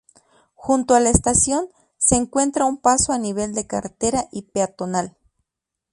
Junto a la estación, se encuentra un paso a nivel de carretera y peatonal.